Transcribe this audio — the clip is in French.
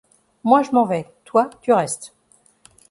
Moi je m'en vais, toi tu restes